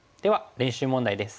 練習問題です。